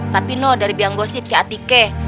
tapi dari yang ngosip si atike